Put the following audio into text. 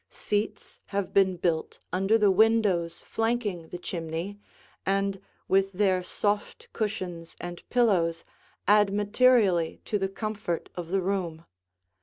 Seats have been built under the windows flanking the chimney and, with their soft cushions and pillows, add materially to the comfort of the room.